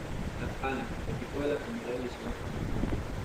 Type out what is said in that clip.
Las Palmas, equipo de la Primera División española.